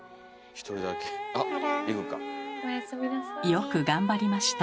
よく頑張りました。